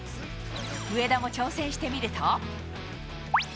上田も挑戦してみると。